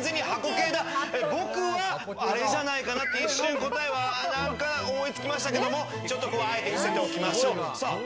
僕はあれじゃないかな？って一瞬、答えは思いつきましたけどあえて伏せておきましょう。